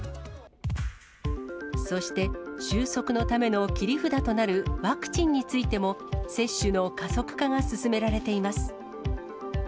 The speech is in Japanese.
そして、収束のための切り札となるワクチンについても、接種の加速化が進められています。